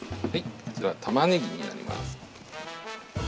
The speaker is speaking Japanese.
こちらはたまねぎになります。